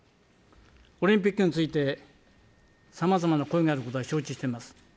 オリンピックについてさまざまな声があることは承知しています。